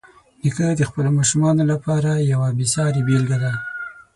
نیکه د خپلو ماشومانو لپاره یوه بېسارې بېلګه ده.